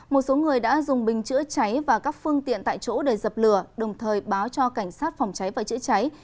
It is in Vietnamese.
một số người đã dùng bình chữa cháy và các phương tiện tại chỗ để dập lửa đồng thời báo cho cảnh sát phòng cháy và chữa cháy